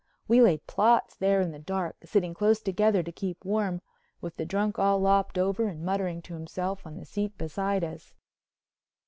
We laid plots there in the dark, sitting close together to keep warm, with the drunk all lopped over and muttering to himself on the seat beside us.